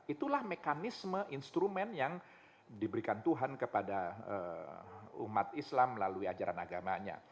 itulah mekanisme instrumen yang diberikan tuhan kepada umat islam melalui ajaran agamanya